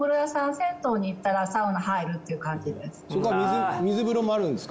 銭湯に行ったらサウナ入るっていう感じです。